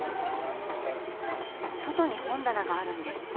外に本棚があるんです。